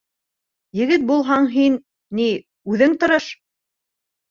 Егет булһаң һин, ни, үҙең тырыш.